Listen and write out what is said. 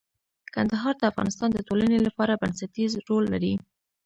کندهار د افغانستان د ټولنې لپاره بنسټيز رول لري.